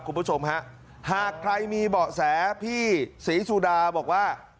คุณผู้ชมฮะหากใครมีเบาะแสพี่ศรีสุดาบอกว่า